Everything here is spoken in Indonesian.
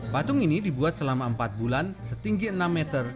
patung ini dibuat selama empat bulan setinggi enam meter